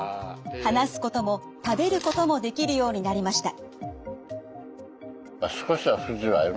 話すことも食べることもできるようになりました。